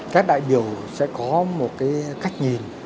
các đại biểu sẽ có một cách nhìn